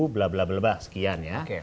blablabla sekian ya